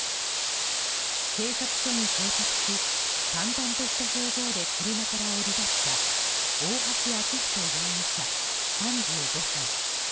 警察署に到着し淡々とした表情で車から降り立った大橋昭仁容疑者、３５歳。